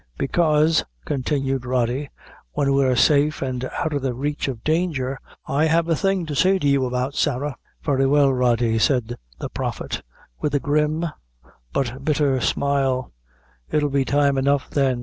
"Bekaise," continued Rody, "when we're all safe, an' out o' the raich o' danger, I have a thing to say to you about Sarah." "Very well, Rody," said the Prophet, with a grim but bitter smile, "it'll be time enough then.